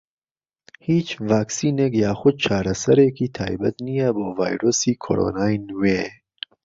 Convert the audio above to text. هیچ ڤاکسینێک یاخود چارەسەرێکی تایبەت نییە بۆ ڤایرۆسی کۆرۆنای نوێ.